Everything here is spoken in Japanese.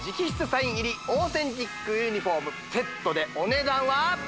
サイン入りオーセンティックユニフォームセットでお値段は？